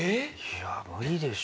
いや無理でしょ。